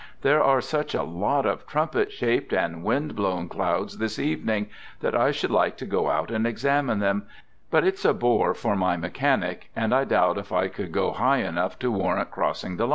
There are such a lot of trumpet shaped and wind blown clouds this evening that I should like to go out and examine them ; but it's a bore for my mechanic, and I doubt if I could go high enough to warrant crossing the lines.